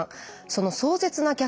その壮絶な逆転